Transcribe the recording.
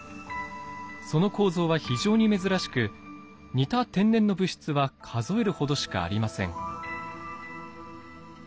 その構造は非常に珍しく似た天然の物質は数えるほどしかありません。